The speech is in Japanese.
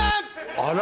あら！